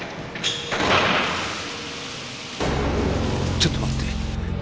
ちょっと待って。